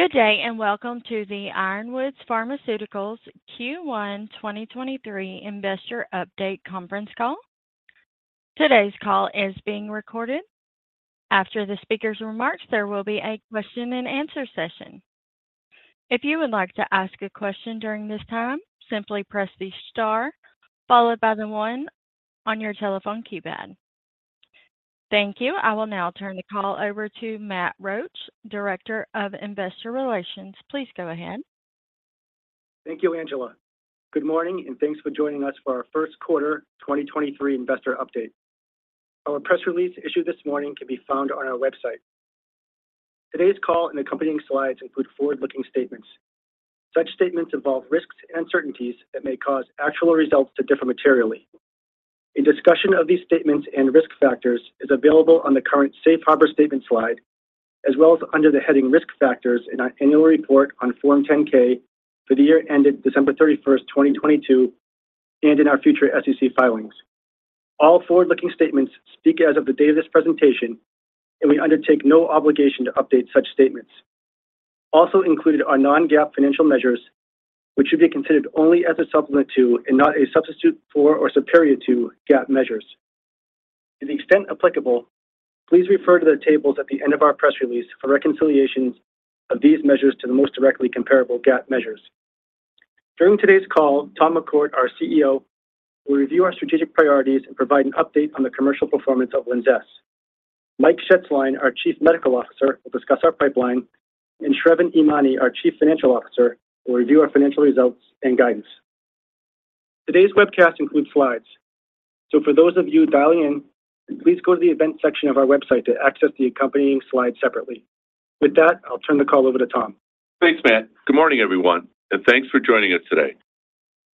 Good day, and welcome to the Ironwood Pharmaceuticals Q1 2023 Investor Update conference call. Today's call is being recorded. After the speaker's remarks, there will be a question and answer session. If you would like to ask a question during this time, simply press the star followed by the one on your telephone keypad. Thank you. I will now turn the call over to Matt Roache, Director of Investor Relations. Please go ahead. Thank you, [Angela]. Good morning, and thanks for joining us for our 1st quarter 2023 investor update. Our press release issued this morning can be found on our website. Today's call and accompanying slides include forward-looking statements. Such statements involve risks and uncertainties that may cause actual results to differ materially. A discussion of these statements and risk factors is available on the current Safe Harbor statement slide, as well as under the heading Risk Factors in our annual report on Form 10-K for the year ended December 31st, 2022, and in our future SEC filings. All forward-looking statements speak as of the date of this presentation, and we undertake no obligation to update such statements. Also included are non-GAAP financial measures, which should be considered only as a supplement to and not a substitute for or superior to GAAP measures. To the extent applicable, please refer to the tables at the end of our press release for reconciliations of these measures to the most directly comparable GAAP measures. During today's call, Tom McCourt, our CEO, will review our strategic priorities and provide an update on the commercial performance of LINZESS. Mike Shetzline, our Chief Medical Officer, will discuss our pipeline, and Sravan Emany, our Chief Financial Officer, will review our financial results and guidance. Today's webcast includes slides. For those of you dialing in, please go to the events section of our website to access the accompanying slides separately. With that, I'll turn the call over to Tom. Thanks, Matt. Good morning, everyone, and thanks for joining us today.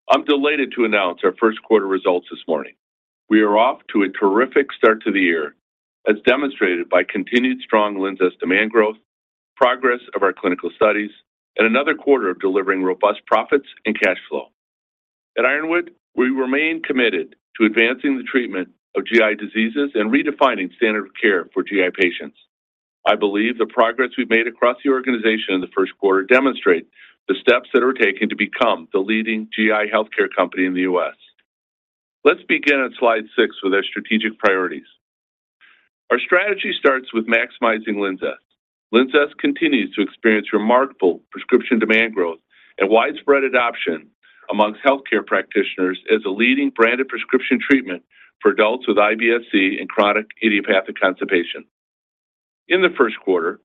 I'm delighted to announce our first quarter results this morning. We are off to a terrific start to the year, as demonstrated by continued strong LINZESS demand growth, progress of our clinical studies, and another quarter of delivering robust profits and cash flow. At Ironwood, we remain committed to advancing the treatment of GI diseases and redefining standard of care for GI patients. I believe the progress we've made across the organization in the first quarter demonstrate the steps that are taken to become the leading GI healthcare company in the U.S. Let's begin on slide six with our strategic priorities. Our strategy starts with maximizing LINZESS. LINZESS continues to experience remarkable prescription demand growth and widespread adoption amongst healthcare practitioners as a leading branded prescription treatment for adults with IBS-C and chronic idiopathic constipation. In the first quarter,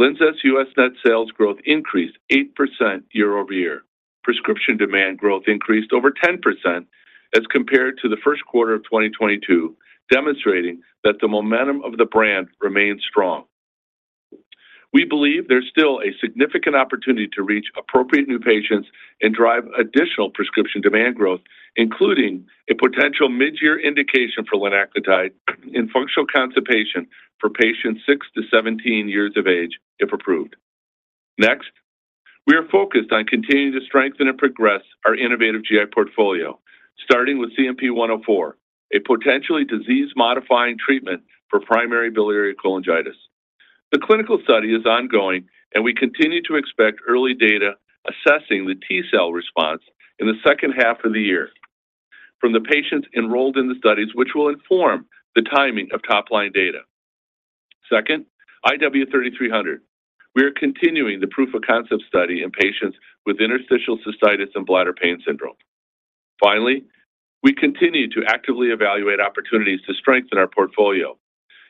LINZESS US net sales growth increased 8% year-over-year. Prescription demand growth increased over 10% as compared to the first quarter of 2022, demonstrating that the momentum of the brand remains strong. We believe there's still a significant opportunity to reach appropriate new patients and drive additional prescription demand growth, including a potential mid-year indication for linaclotide in functional constipation for patients 6-17 years of age, if approved. We are focused on continuing to strengthen and progress our innovative GI portfolio, starting with CNP-104, a potentially disease-modifying treatment for primary biliary cholangitis. The clinical study is ongoing, and we continue to expect early data assessing the T-cell response in the second half of the year from the patients enrolled in the studies, which will inform the timing of top-line data. IW-3300. We are continuing the proof-of-concept study in patients with interstitial cystitis and bladder pain syndrome. We continue to actively evaluate opportunities to strengthen our portfolio,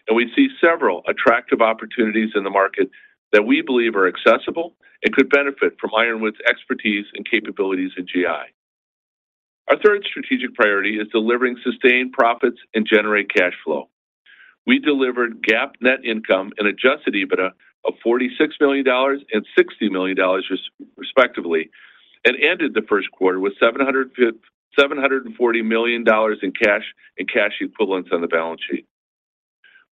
and we see several attractive opportunities in the market that we believe are accessible and could benefit from Ironwood's expertise and capabilities in GI. Our third strategic priority is delivering sustained profits and generate cash flow. We delivered GAAP net income and adjusted EBITDA of $46 million and $60 million respectively and ended the first quarter with $740 million in cash and cash equivalents on the balance sheet.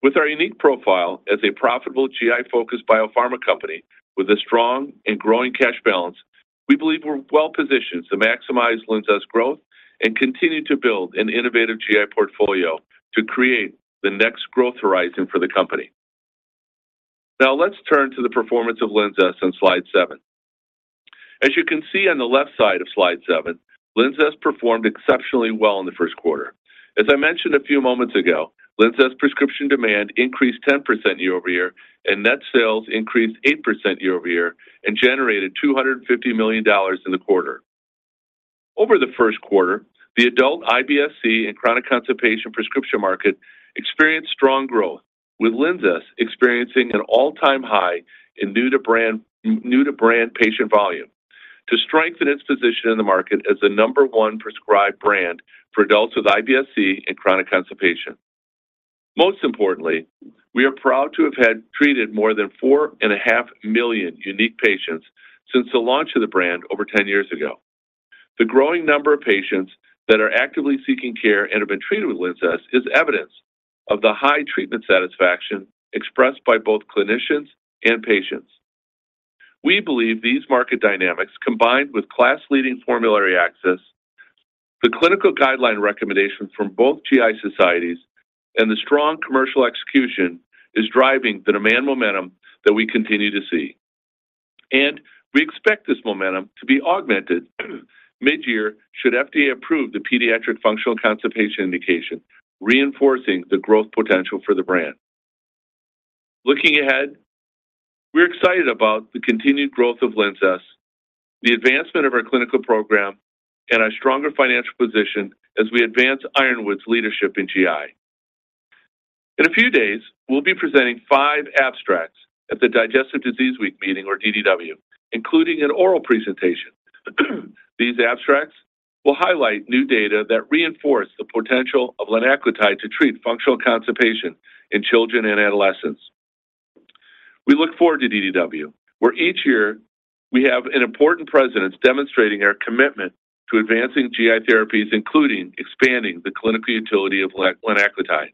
With our unique profile as a profitable GI-focused biopharma company with a strong and growing cash balance, we believe we're well-positioned to maximize LINZESS growth and continue to build an innovative GI portfolio to create the next growth horizon for the company. Now let's turn to the performance of LINZESS on slide seven. As you can see on the left side of slide seven, LINZESS performed exceptionally well in the first quarter. As I mentioned a few moments ago, LINZESS prescription demand increased 10% year-over-year, net sales increased 8% year-over-year and generated $250 million in the quarter. Over the first quarter, the adult IBS-C and chronic constipation prescription market experienced strong growth, with LINZESS experiencing an all-time high in new to brand, new to brand patient volume to strengthen its position in the market as the number one prescribed brand for adults with IBS-C and chronic constipation. Most importantly, we are proud to have had treated more than 4.5 million unique patients since the launch of the brand over 10 years ago. The growing number of patients that are actively seeking care and have been treated with LINZESS is evidence of the high treatment satisfaction expressed by both clinicians and patients. We believe these market dynamics, combined with class-leading formulary access, the clinical guideline recommendation from both GI societies and the strong commercial execution is driving the demand momentum that we continue to see. We expect this momentum to be augmented mid-year should FDA approve the pediatric functional constipation indication, reinforcing the growth potential for the brand. Looking ahead, we're excited about the continued growth of LINZESS, the advancement of our clinical program, and our stronger financial position as we advance Ironwood's leadership in GI. In a few days, we'll be presenting five abstracts at the Digestive Disease Week meeting or DDW, including an oral presentation. These abstracts will highlight new data that reinforce the potential of linaclotide to treat functional constipation in children and adolescents. We look forward to DDW, where each year we have an important presence demonstrating our commitment to advancing GI therapies, including expanding the clinical utility of linaclotide.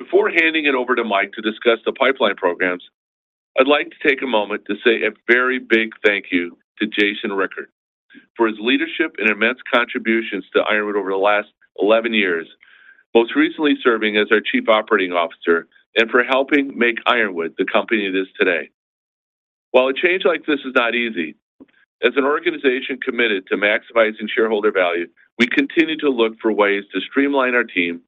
Before handing it over to Mike to discuss the pipeline programs, I'd like to take a moment to say a very big thank you to Jason Rickard for his leadership and immense contributions to Ironwood over the last 11 years. Most recently serving as our chief operating officer and for helping make Ironwood the company it is today. While a change like this is not easy, as an organization committed to maximizing shareholder value, we continue to look for ways to streamline our team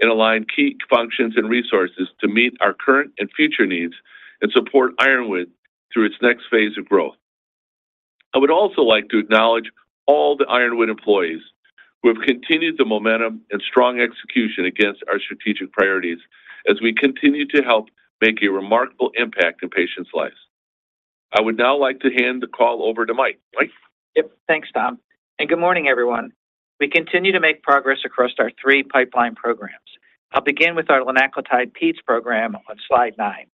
and align key functions and resources to meet our current and future needs and support Ironwood through its next phase of growth. I would also like to acknowledge all the Ironwood employees who have continued the momentum and strong execution against our strategic priorities as we continue to help make a remarkable impact in patients' lives. I would now like to hand the call over to Mike. Mike? Yep. Thanks, Tom, good morning, everyone. We continue to make progress across our three pipeline programs. I'll begin with our linaclotide pediatric program on slide nine.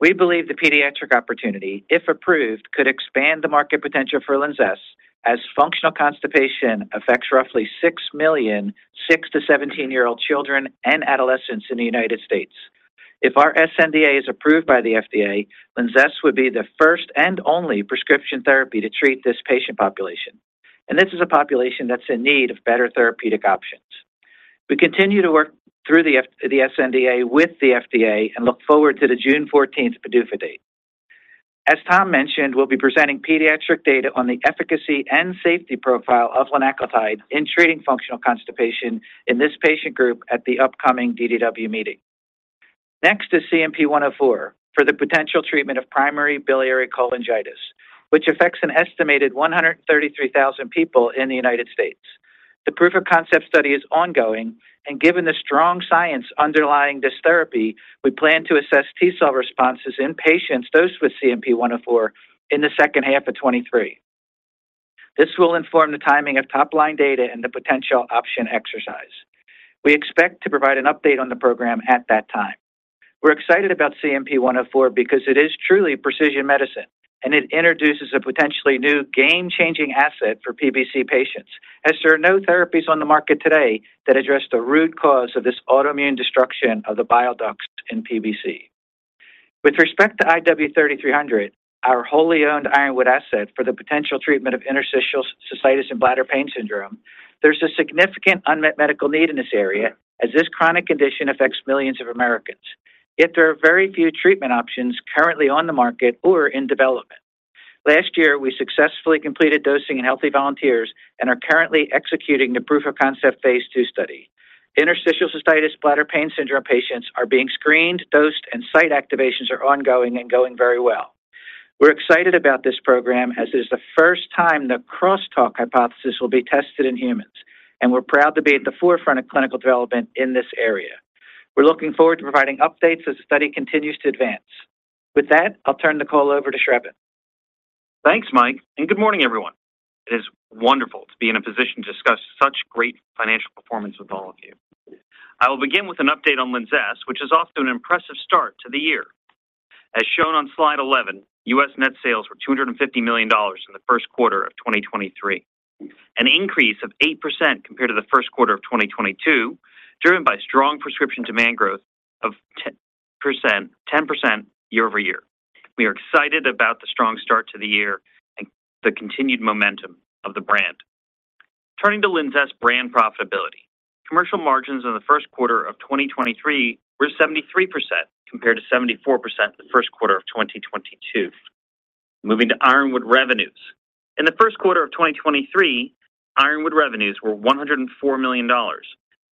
We believe the pediatric opportunity, if approved, could expand the market potential for LINZESS as functional constipation affects roughly 6 million 6-17-year-old children and adolescents in the United States. If our sNDA is approved by the FDA, LINZESS would be the first and only prescription therapy to treat this patient population, and this is a population that's in need of better therapeutic options. We continue to work through the sNDA with the FDA and look forward to the June 14 PDUFA date. As Tom mentioned, we'll be presenting pediatric data on the efficacy and safety profile of linaclotide in treating functional constipation in this patient group at the upcoming DDW meeting. Next is CNP-104 for the potential treatment of primary biliary cholangitis, which affects an estimated 133,000 people in the United States. The proof of concept study is ongoing. Given the strong science underlying this therapy, we plan to assess T-cell responses in patients dosed with CNP-104 in the second half of 2023. This will inform the timing of top-line data and the potential option exercise. We expect to provide an update on the program at that time. We're excited about CNP-104 because it is truly precision medicine. It introduces a potentially new game-changing asset for PBC patients as there are no therapies on the market today that address the root cause of this autoimmune destruction of the bile ducts in PBC. With respect to IW-3300, our wholly owned Ironwood asset for the potential treatment of interstitial cystitis and bladder pain syndrome. There's a significant unmet medical need in this area as this chronic condition affects millions of Americans, yet there are very few treatment options currently on the market or in development. Last year, we successfully completed dosing in healthy volunteers and are currently executing the proof of concept phase II study. Interstitial cystitis bladder pain syndrome patients are being screened, dosed, and site activations are ongoing and going very well. We're excited about this program as it is the first time the crosstalk hypothesis will be tested in humans, and we're proud to be at the forefront of clinical development in this area. We're looking forward to providing updates as the study continues to advance. With that, I'll turn the call over to Sravan. Thanks, Mike, good morning, everyone. It is wonderful to be in a position to discuss such great financial performance with all of you. I will begin with an update on LINZESS, which is off to an impressive start to the year. As shown on slide 11, U.S. net sales were $250 million in the first quarter of 2023, an increase of 8% compared to the first quarter of 2022, driven by strong prescription demand growth of 10% year-over-year. We are excited about the strong start to the year and the continued momentum of the brand. Turning to LINZESS brand profitability. Commercial margins in the first quarter of 2023 were 73% compared to 74% in the first quarter of 2022. Moving to Ironwood revenues. In the first quarter of 2023, Ironwood revenues were $104 million,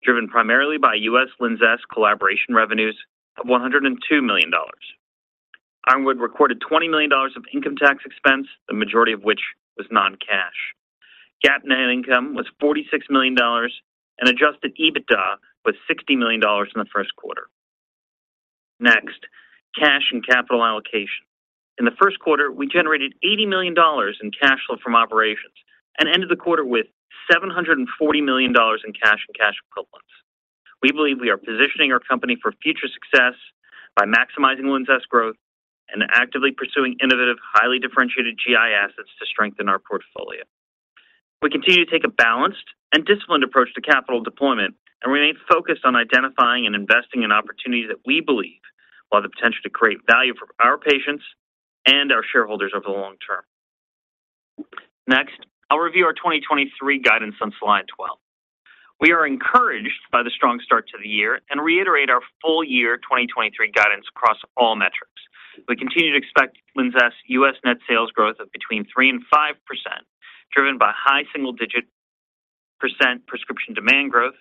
driven primarily by US LINZESS collaboration revenues of $102 million. Ironwood recorded $20 million of income tax expense, the majority of which was non-cash. GAAP net income was $46 million, and adjusted EBITDA was $60 million in the first quarter. Cash and capital allocation. In the first quarter, we generated $80 million in cash flow from operations and ended the quarter with $740 million in cash and cash equivalents. We believe we are positioning our company for future success by maximizing LINZESS growth and actively pursuing innovative, highly differentiated GI assets to strengthen our portfolio. We continue to take a balanced and disciplined approach to capital deployment and remain focused on identifying and investing in opportunities that we believe will have the potential to create value for our patients. Our shareholders over the long term. Next, I'll review our 2023 guidance on slide 12. We are encouraged by the strong start to the year and reiterate our full year 2023 guidance across all metrics. We continue to expect LINZESS US net sales growth of between 3% and 5%, driven by high single-digit % prescription demand growth.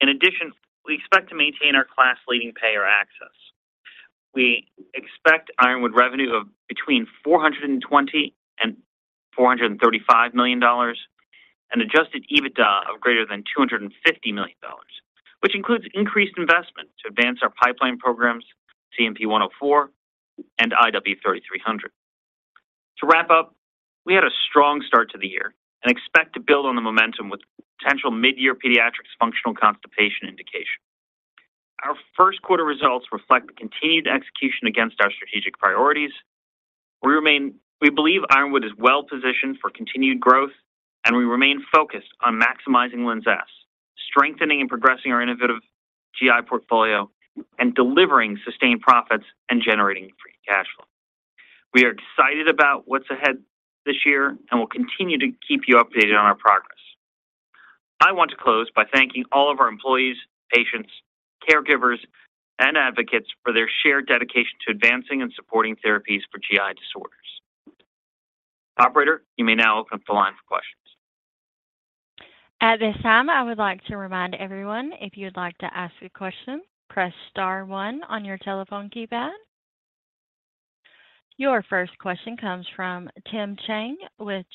In addition, we expect to maintain our class-leading payer access. We expect Ironwood revenue of between $420 million and $435 million, and adjusted EBITDA of greater than $250 million, which includes increased investment to advance our pipeline programs, CNP-104 and IW-3300. To wrap up, we had a strong start to the year and expect to build on the momentum with potential mid-year pediatrics functional constipation indication. Our first quarter results reflect the continued execution against our strategic priorities. We believe Ironwood is well-positioned for continued growth, and we remain focused on maximizing LINZESS, strengthening and progressing our innovative GI portfolio, and delivering sustained profits and generating free cash flow. We are excited about what's ahead this year, and we'll continue to keep you updated on our progress. I want to close by thanking all of our employees, patients, caregivers, and advocates for their shared dedication to advancing and supporting therapies for GI disorders. Operator, you may now open up the line for questions. At this time, I would like to remind everyone, if you'd like to ask a question, press star one on your telephone keypad. Your first question comes from Tim Chiang with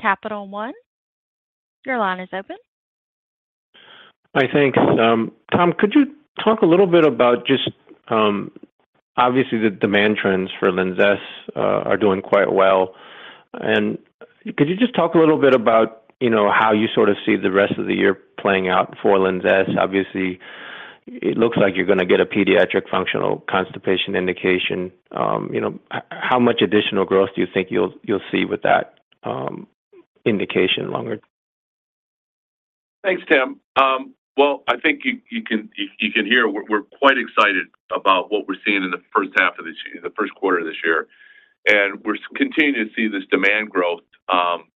Capital One. Your line is open. Hi. Thanks. Tom, could you talk a little bit about just, obviously, the demand trends for LINZESS are doing quite well. Could you just talk a little bit about, you know, how you sort of see the rest of the year playing out for LINZESS? Obviously, it looks like you're gonna get a pediatric functional constipation indication. You know, how much additional growth do you think you'll see with that indication longer? Thanks, Tim. Well, I think you can hear we're quite excited about what we're seeing in the first half of this year, the first quarter of this year. We're continuing to see this demand growth,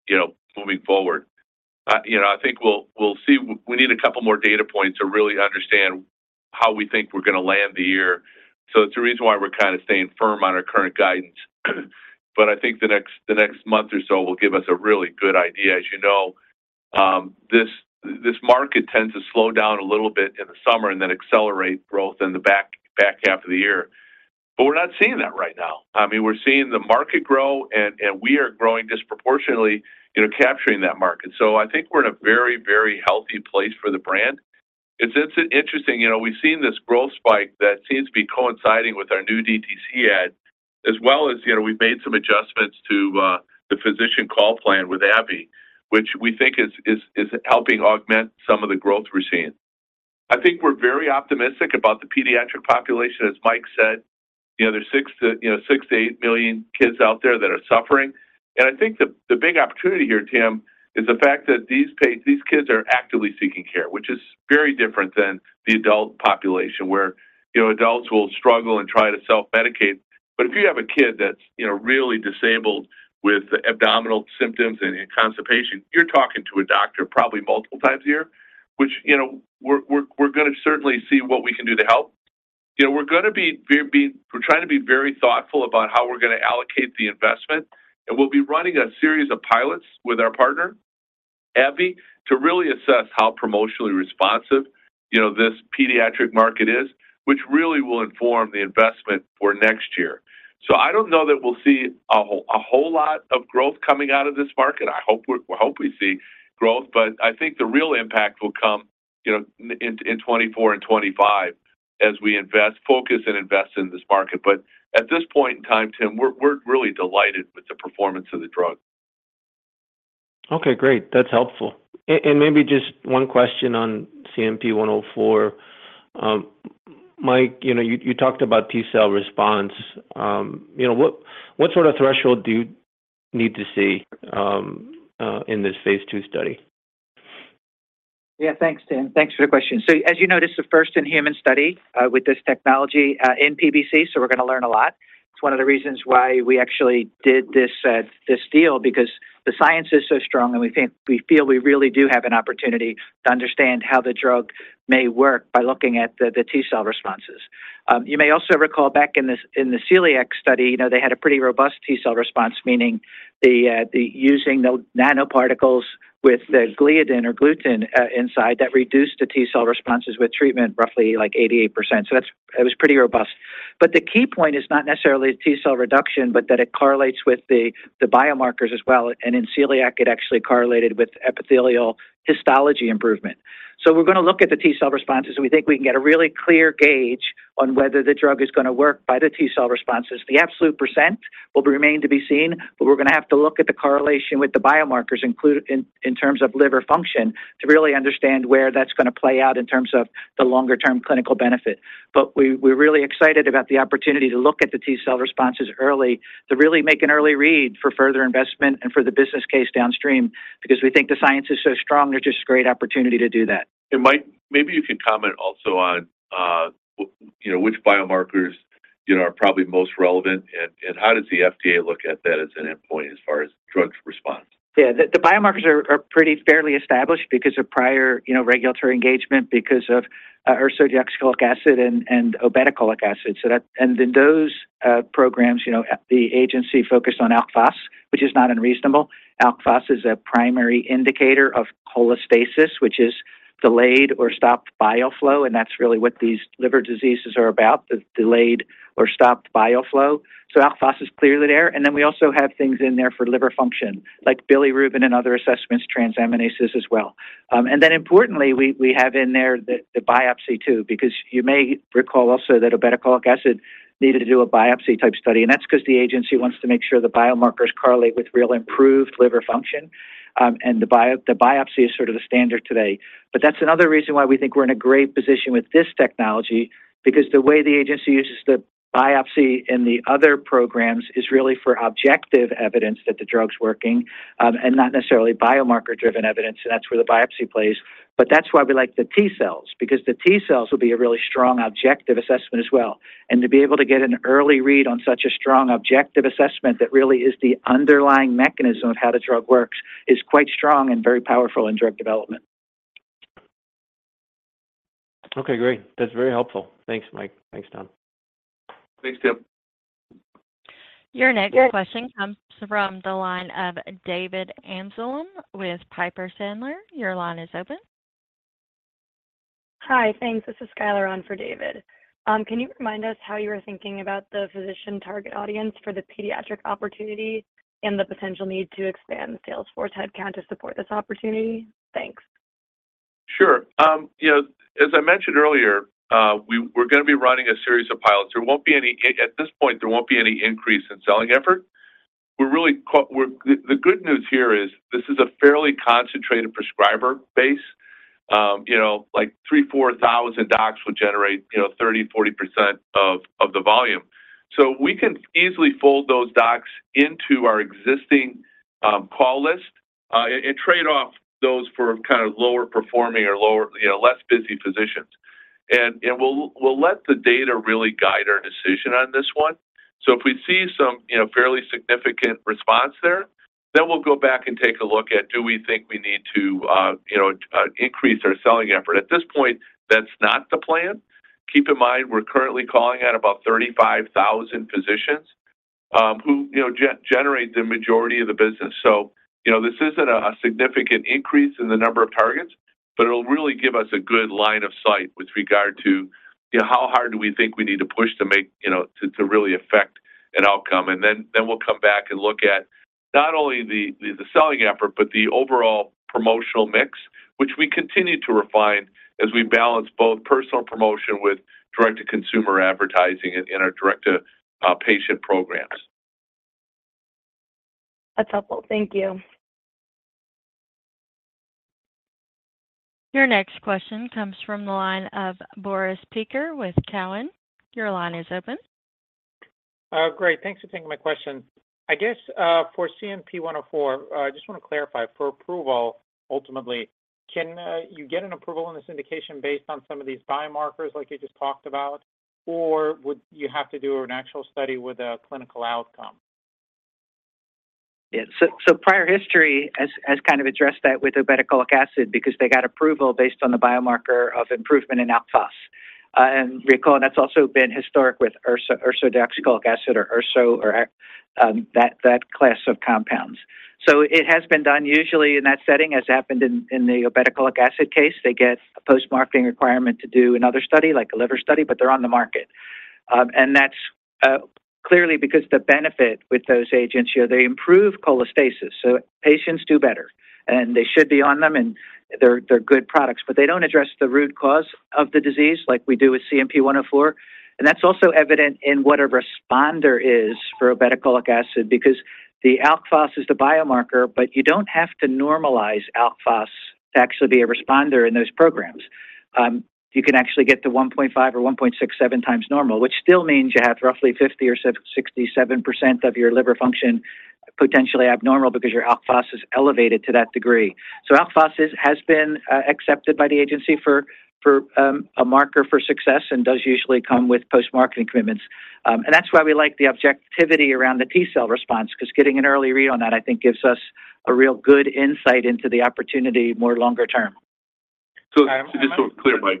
you know, moving forward. You know, I think we'll see. We need two more data points to really understand how we think we're gonna land the year. It's the reason why we're kinda staying firm on our current guidance. I think the next month or so will give us a really good idea. You know, this market tends to slow down a little bit in the summer and then accelerate growth in the back half of the year. We're not seeing that right now. I mean, we're seeing the market grow and we are growing disproportionately, you know, capturing that market. I think we're in a very, very healthy place for the brand. It's interesting, you know, we've seen this growth spike that seems to be coinciding with our new DTC ad, as well as, you know, we've made some adjustments to the physician call plan with AbbVie, which we think is helping augment some of the growth we're seeing. I think we're very optimistic about the pediatric population. As Mike said, you know, there's 6 million-8 million kids out there that are suffering. I think the big opportunity here, Tim, is the fact that these kids are actively seeking care, which is very different than the adult population, where, you know, adults will struggle and try to self-medicate. If you have a kid that's, you know, really disabled with abdominal symptoms and constipation, you're talking to a doctor probably multiple times a year, which, you know, we're gonna certainly see what we can do to help. You know, we're trying to be very thoughtful about how we're gonna allocate the investment. We'll be running a series of pilots with our partner, AbbVie, to really assess how promotionally responsive, you know, this pediatric market is, which really will inform the investment for next year. I don't know that we'll see a whole lot of growth coming out of this market. I hope we see growth, but I think the real impact will come, you know, in 2024 and 2025 as we invest, focus and invest in this market. At this point in time, Tim, we're really delighted with the performance of the drug. Okay, great. That's helpful. maybe just 1 question on CNP-104. Mike, you know, you talked about T-cell response. you know, what sort of threshold do you need to see in this phase II study? Yeah. Thanks, Tim Chiang. Thanks for the question. As you noticed, the first in human study with this technology in PBC, we're gonna learn a lot. It's one of the reasons why we actually did this deal because the science is so strong, and we feel we really do have an opportunity to understand how the drug may work by looking at the T-cell responses. You may also recall back in the celiac study, you know, they had a pretty robust T-cell response, meaning the using the nanoparticles with the gliadin or gluten inside that reduced the T-cell responses with treatment, roughly like 88%. It was pretty robust. The key point is not necessarily the T-cell reduction, but that it correlates with the biomarkers as well. In celiac, it actually correlated with epithelial histology improvement. We're gonna look at the T-cell responses, and we think we can get a really clear gauge on whether the drug is gonna work by the T-cell responses. The absolute percent will remain to be seen, but we're gonna have to look at the correlation with the biomarkers included in terms of liver function to really understand where that's gonna play out in terms of the longer-term clinical benefit. We're really excited about the opportunity to look at the T-cell responses early to really make an early read for further investment and for the business case downstream because we think the science is so strong. There's just a great opportunity to do that. Mike, maybe you can comment also on, you know, which biomarkers, you know, are probably most relevant and how does the FDA look at that as an endpoint as far as drug response? Yeah. The biomarkers are pretty fairly established because of prior, you know, regulatory engagement because of ursodeoxycholic acid and obeticholic acid. In those programs, you know, the agency focused on alkaline phosphatase, which is not unreasonable. Alk phos is a primary indicator of cholestasis, which is delayed or stopped bile flow, and that's really what these liver diseases are about, the delayed or stopped bile flow. Alkaline phosphatase is clearly there. Then we also have things in there for liver function, like bilirubin and other assessments, transaminases as well. Importantly, we have in there the biopsy too because you may recall also that obeticholic acid needed to do a biopsy type study, and that's 'cause the agency wants to make sure the biomarkers correlate with real improved liver function, and the biopsy is sort of the standard today. That's another reason why we think we're in a great position with this technology because the way the agency uses the biopsy in the other programs is really for objective evidence that the drug's working, and not necessarily biomarker-driven evidence, and that's where the biopsy plays. That's why we like the T-cells because the T-cells will be a really strong objective assessment as well. To be able to get an early read on such a strong objective assessment that really is the underlying mechanism of how the drug works is quite strong and very powerful in drug development. Okay, great. That's very helpful. Thanks, Mike. Thanks, Tom. Thanks, Tim. Your next question comes from the line of David Amsellem with Piper Sandler. Your line is open. Hi. Thanks. This is Skylar on for David. Can you remind us how you were thinking about the physician target audience for the pediatric opportunity and the potential need to expand the sales force headcount to support this opportunity? Thanks. Sure. You know, as I mentioned earlier, we're gonna be running a series of pilots. There won't be any. At this point, there won't be any increase in selling effort. The good news here is this is a fairly concentrated prescriber base. You know, like 3, 4 thousand docs will generate, you know, 30%, 40% of the volume. We can easily fold those docs into our existing call list and trade off those for kind of lower performing or lower, you know, less busy physicians. We'll let the data really guide our decision on this one. If we see some, you know, fairly significant response there, then we'll go back and take a look at do we think we need to, you know, increase our selling effort. At this point, that's not the plan. Keep in mind, we're currently calling at about 35,000 physicians, who, you know, generate the majority of the business. You know, this isn't a significant increase in the number of targets, but it'll really give us a good line of sight with regard to, you know, how hard do we think we need to push to make, you know, to really affect an outcome. We'll come back and look at not only the selling effort but the overall promotional mix, which we continue to refine as we balance both personal promotion with direct-to-consumer advertising in our direct-to patient programs. That's helpful. Thank you. Your next question comes from the line of Boris Peaker with Cowen. Your line is open. Great. Thanks for taking my question. I guess, for CNP-104, I just wanna clarify. For approval, ultimately, can you get an approval on this indication based on some of these biomarkers like you just talked about, or would you have to do an actual study with a clinical outcome? Yeah. Prior history has kind of addressed that with obeticholic acid because they got approval based on the biomarker of improvement in alkaline phosphatase. Recall that's also been historic with ursodeoxycholic acid or URSO or that class of compounds. It has been done usually in that setting, as happened in the obeticholic acid case. They get a post-marketing requirement to do another study, like a liver study, but they're on the market. That's clearly because the benefit with those agents, you know, they improve cholestasis, so patients do better. They should be on them, and they're good products, but they don't address the root cause of the disease like we do with CNP-104. That's also evident in what a responder is for obeticholic acid because the alkaline phosphatase is the biomarker, but you don't have to normalize alkaline phosphatase to actually be a responder in those programs. You can actually get to 1.5x or 1.67x normal, which still means you have roughly 50% or 67% of your liver function potentially abnormal because your alkaline phosphatase is elevated to that degree. Alkaline phosphatase is, has been, accepted by the agency for a marker for success and does usually come with post-marketing commitments. That's why we like the objectivity around the T-cell response 'cause getting an early read on that, I think, gives us a real good insight into the opportunity more longer term. just so we're clear,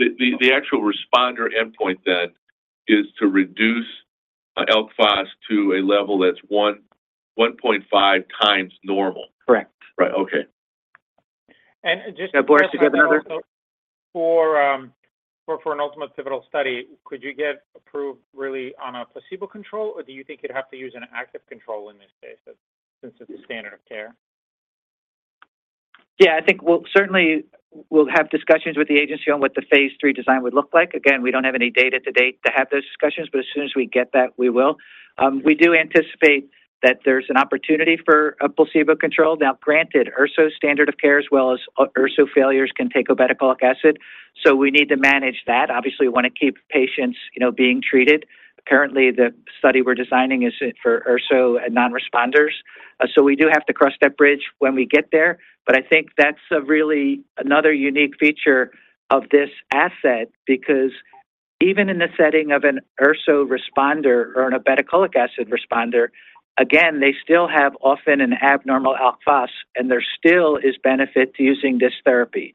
Mike, the actual responder endpoint then is to reduce alkaline phosphatase to a level that's 1.5x normal. Correct. Right. Okay. just. Yeah. Boris, did you have another? For an ultimate pivotal study, could you get approved really on a placebo control, or do you think you'd have to use an active control in this case since it's standard of care? Yeah. I think we'll... certainly we'll have discussions with the agency on what the phase III design would look like. Again, we don't have any data to date to have those discussions, but as soon as we get that, we will. We do anticipate that there's an opportunity for a placebo control. Now, granted, URSO standard of care as well as URSO failures can take obeticholic acid, so we need to manage that. Obviously, we wanna keep patients, you know, being treated. Apparently, the study we're designing is for URSO non-responders. We do have to cross that bridge when we get there. I think that's a really another unique feature of this asset because even in the setting of an URSO responder or an ursodeoxycholic acid responder, again, they still have often an abnormal alkaline phosphatase, and there still is benefit to using this therapy.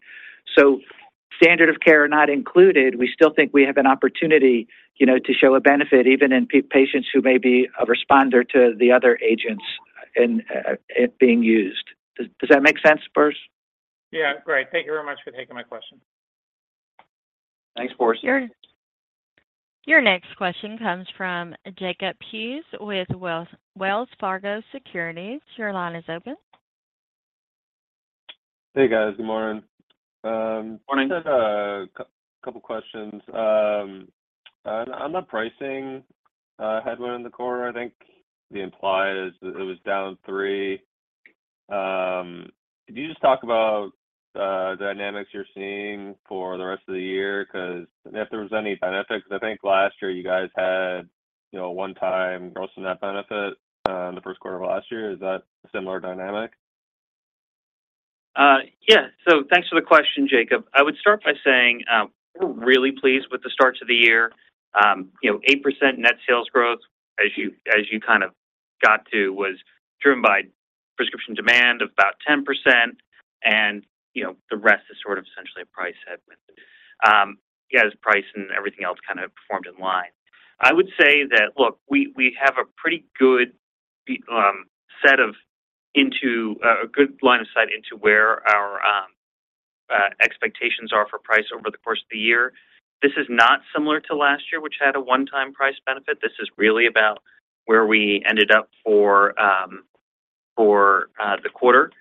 Standard of care are not included. We still think we have an opportunity, you know, to show a benefit even in patients who may be a responder to the other agents in being used. Does that make sense, Boris? Great. Thank you very much for taking my question. Thanks, Boris. Your next question comes from Jacob Hughes with Wells Fargo Securities. Your line is open. Hey, guys. Good morning. Morning. Just a couple questions. On the pricing, headline in the quarter, I think the implied is it was down three. Can you just talk about the dynamics you're seeing for the rest of the year? Because. If there was any benefits, because I think last year you guys had, you know, a one-time gross net benefit in the first quarter of last year. Is that a similar dynamic? Yeah. Thanks for the question, Jacob. I would start by saying, we're really pleased with the starts of the year. You know, 8% net sales growth as you kind of got to was driven by prescription demand of about 10%, and you know, the rest is sort of essentially a price headwind. As price and everything else kind of performed in line. I would say that, look, we have a pretty good line of sight into where our expectations are for price over the course of the year. This is not similar to last year, which had a one-time price benefit. This is really about where we ended up for the quarter,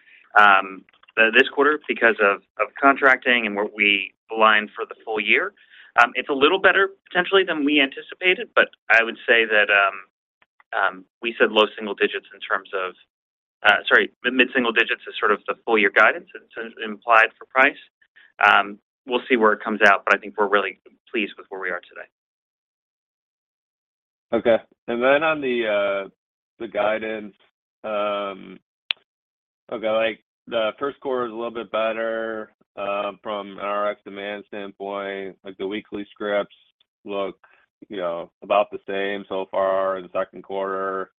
this quarter because of contracting and where we aligned for the full year. It's a little better potentially than we anticipated, but I would say that we said low single digits in terms of mid-single digits is sort of the full year guidance and implied for price. We'll see where it comes out, but I think we're really pleased with where we are today. Then on the guidance, like, the first quarter is a little bit better from an RX demand standpoint. Like, the weekly scripts look, you know, about the same so far in the second quarter.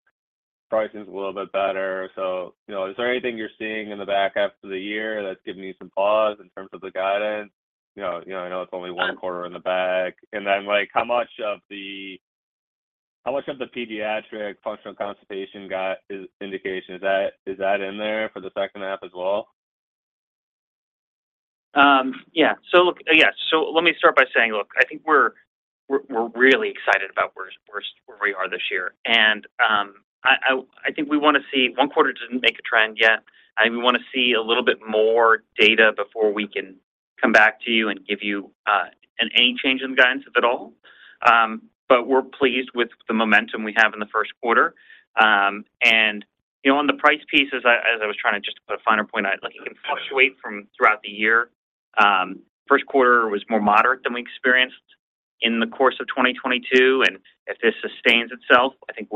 Pricing's a little bit better. You know, is there anything you're seeing in the back half of the year that's giving you some pause in terms of the guidance? You know, you know, I know it's only one quarter in the bag. Then, like, how much of the pediatric functional constipation got is indication? Is that, is that in there for the second half as well? Yeah. Look. Yeah. Let me start by saying, look, I think we're really excited about where we are this year. I think we wanna see. One quarter doesn't make a trend yet, and we wanna see a little bit more data before we can come back to you and give you any change in the guidance at all. We're pleased with the momentum we have in the first quarter. You know, on the price piece, as I was trying to just put a finer point, like, it can fluctuate from throughout the year. First quarter was more moderate than we experienced in the course of 2022, and if this sustains itself, I think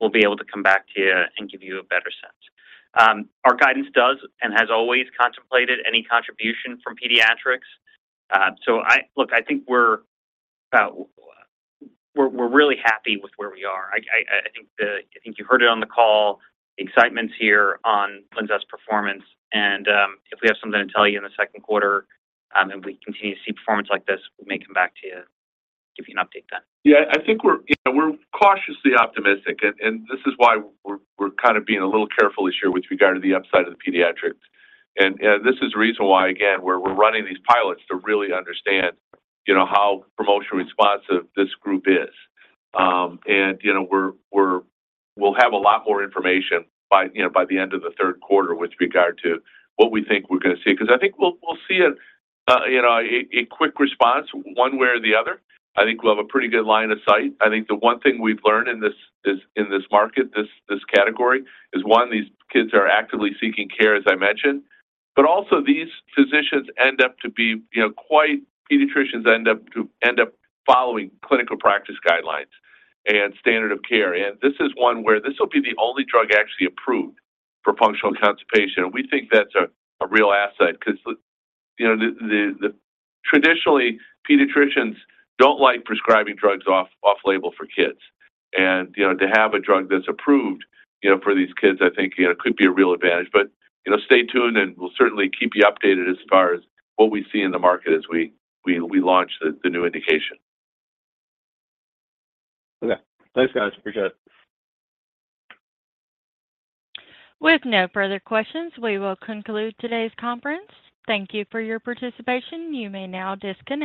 we'll be able to come back to you and give you a better sense. Our guidance does and has always contemplated any contribution from pediatrics. Look, I think we're really happy with where we are. I think you heard it on the call, the excitement's here on LINZESS performance. If we have something to tell you in the second quarter, and we continue to see performance like this, we may come back to you, give you an update then. Yeah. I think we're, you know, we're cautiously optimistic. This is why we're kind of being a little careful this year with regard to the upside of the pediatrics. This is the reason why, again, we're running these pilots to really understand, you know, how promotional responsive this group is. You know, we'll have a lot more information by, you know, by the end of the third quarter with regard to what we think we're gonna see. I think we'll see a, you know, a quick response one way or the other. I think we'll have a pretty good line of sight. I think the one thing we've learned in this market, this category, is one, these kids are actively seeking care, as I mentioned. Also these physicians end up to be, you know, quite... Pediatricians end up following clinical practice guidelines and standard of care. This is one where this will be the only drug actually approved for functional constipation. We think that's a real asset 'cause, you know, the... Traditionally, pediatricians don't like prescribing drugs off-label for kids. You know, to have a drug that's approved, you know, for these kids, I think, you know, could be a real advantage. You know, stay tuned, and we'll certainly keep you updated as far as what we see in the market as we launch the new indication. Thanks, guys. Appreciate it. With no further questions, we will conclude today's conference. Thank you for your participation. You may now disconnect.